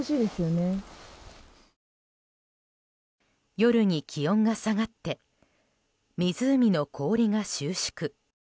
夜に気温が下がって湖の氷が収縮。